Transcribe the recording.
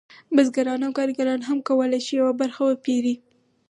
بزګران او کارګران هم کولی شي یوه برخه وپېري